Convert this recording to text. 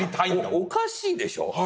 おかしいでしょ。